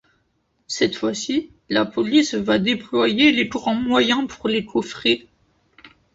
Cette fois-ci, la police va déployer les grands moyens pour les coffrer.